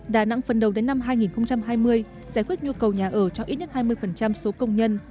đà nẵng phần đầu đến năm hai nghìn hai mươi giải quyết nhu cầu nhà ở cho ít nhất hai mươi số công nhân